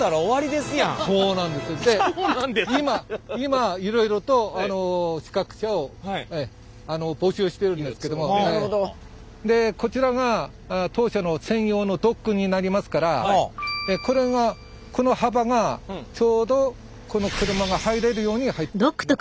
で今いろいろとでこちらが当社の専用のドックになりますからこれがこの幅がちょうどこの車が入れるようになってるんですね。